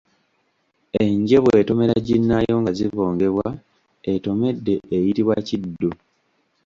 Enje bw’etomera ginnaayo nga zibongebwa, etomedde eyitibwa Kiddu.